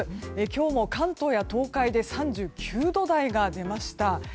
今日も関東や東海で３９度台が出ました。